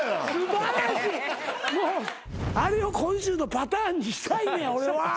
あれを今週のパターンにしたいねん俺は。